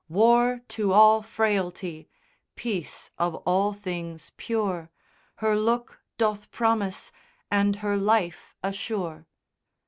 War to all frailty ; peace of all things pure, Her look doth promise and her life assure.